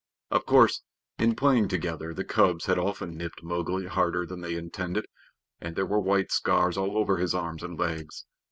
Of course, in playing together, the cubs had often nipped Mowgli harder than they intended, and there were white scars all over his arms and legs.